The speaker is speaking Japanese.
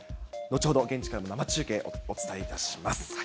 後ほど現地から生中継お伝えいたします。